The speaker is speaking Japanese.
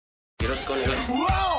よろしくお願い。